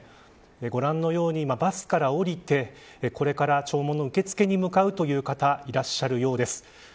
ご覧のようにバスから降りてこれから弔問の受付に向かうという方いらっしゃるようです。